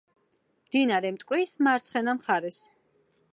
მდინარე მტკვრის მარცხენა მხარეს.